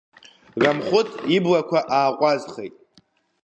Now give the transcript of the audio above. Рамхәыҭ иблақәа ааҟәазхеит.